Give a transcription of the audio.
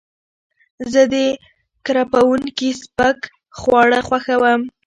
زه د کرپونکي سپک خواړه خوښوم.